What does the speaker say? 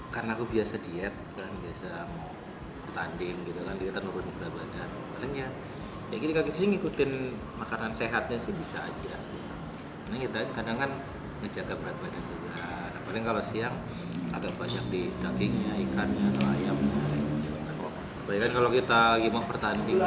kalau kita lagi mau pertanding